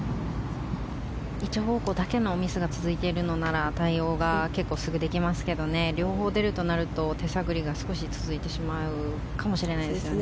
一方向だけのミスが続いているなら対応が結構すぐできますけど両方出るとなると手探りが少し続いてしまうかもしれないですね。